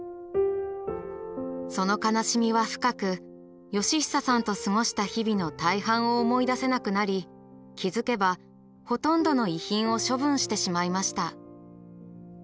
その悲しみは深く嘉久さんと過ごした日々の大半を思い出せなくなり気付けばほとんどの遺品を処分してしまいました。